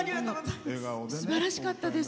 すばらしかったです。